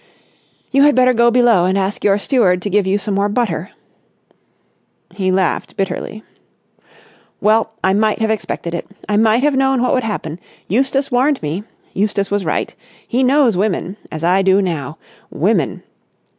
"You had better go below and ask your steward to give you some more butter." He laughed bitterly. "Well, I might have expected it. I might have known what would happen! Eustace warned me. Eustace was right. He knows women—as I do now. Women!